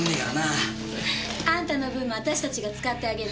あんたの分も私たちが使ってあげる。